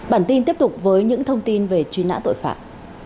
bản tin tiếp tục với những thông tin về truy nã tội phạm